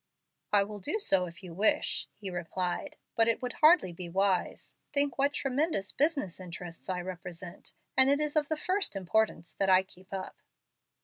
"I will do so if you wish," he replied, "but it would hardly be wise. Think what tremendous business interests I represent, and it is of the first importance that I keep up."